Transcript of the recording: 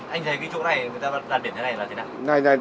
anh thấy cái chỗ này đặt biển như thế này là thế nào